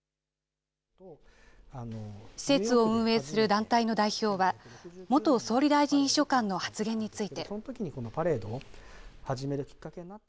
施設を運営する団体の代表は、元総理大臣秘書官の発言について。